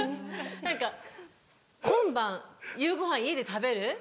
何か今晩夕ごはん家で食べる？